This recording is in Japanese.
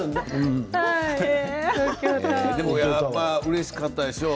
やっぱりうれしかったでしょう？